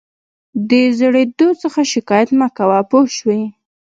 د زړېدو څخه شکایت مه کوه پوه شوې!.